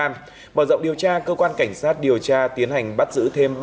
mở rộng điều tra cơ quan cảnh sát điều tra tiến hành bắt giữ thêm